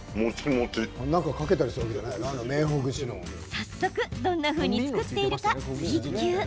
早速、どんなふうに作っているか追求。